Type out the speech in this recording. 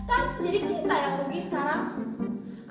kan jadi kita yang rugi sekarang